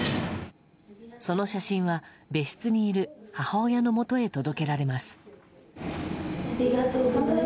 その写真は、別室にいる母親のもとへ届けられます。